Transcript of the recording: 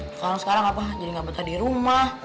sekarang sekarang apa jadi gak bertahan di rumah